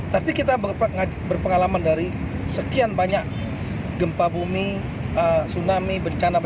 tapi kita berpengalaman dari sekian banyak gempa bumi tsunami bencana